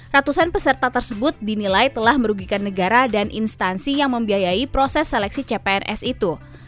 ratusan peserta tersebut dinilai telah merugikan negara dan instansi yang membiayai proses seleksi cpns itu